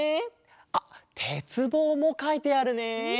あってつぼうもかいてあるね！